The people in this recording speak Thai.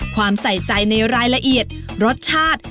ใส่ใจในรายละเอียดรสชาติ